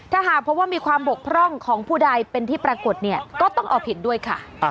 ถ้าหากพบว่ามีความบกพร่องของผู้ใดเป็นที่ปรากฏเนี่ยก็ต้องเอาผิดด้วยค่ะ